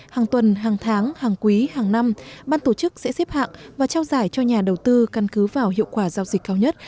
hàng tuần hàng tháng hàng quý hàng năm ban tổ chức sẽ xếp hạng và trao giải cho nhà đầu tư căn cứ vào hiệu quả giao dịch cao nhất